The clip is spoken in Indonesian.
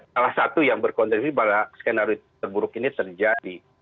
salah satu yang berkonteks skenario terburuk ini terjadi